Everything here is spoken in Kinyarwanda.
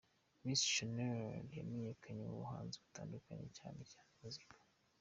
Miss Shanel yamenyekanye mu buhanzi butandukanye cyane cyane muzika.